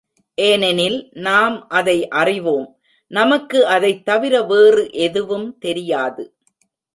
ஏனெனில் நாம் அதை அறிவோம் நமக்கு அதைத் தவிர வேறு எதுவும் தெரியாது.